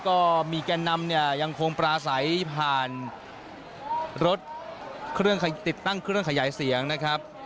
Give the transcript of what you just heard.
ก็มีแก่นนำเนี่ยยังคงปราศัยผ่านรถเครื่องติดตั้งเครื่องขยายเสียงนะครับ